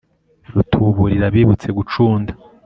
Rutuburira abibutse gucunda